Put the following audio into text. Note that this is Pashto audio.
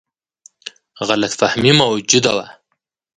غلط فهمي موجوده وه.